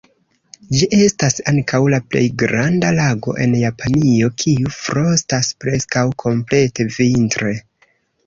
Ĝi estas ankaŭ la plej granda lago en Japanio kiu frostas preskaŭ komplete vintre.